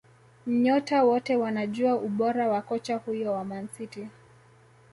Nyota wote wanajua ubora wa kocha huyo wa Man City